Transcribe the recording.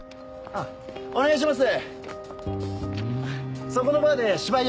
あっお願いします！